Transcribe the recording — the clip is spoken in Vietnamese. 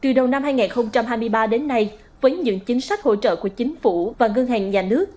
từ đầu năm hai nghìn hai mươi ba đến nay với những chính sách hỗ trợ của chính phủ và ngân hàng nhà nước